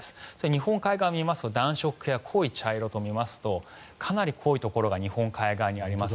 日本海側を見ますと暖色系や濃い茶色と見ますとかなり濃いところが日本海側にあります。